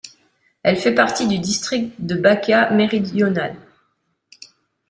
Elle fait partie du district de Bačka méridionale.